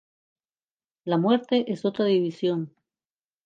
La muerte es otra división.